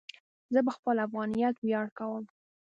زه په خپل افغانیت ویاړ کوم.